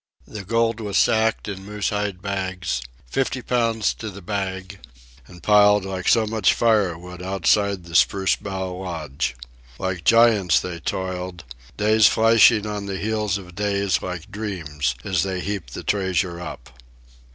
The gold was sacked in moose hide bags, fifty pounds to the bag, and piled like so much firewood outside the spruce bough lodge. Like giants they toiled, days flashing on the heels of days like dreams as they heaped the treasure up.